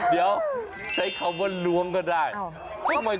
เดี๋ยวใช้คำว่าล้วงก็ได้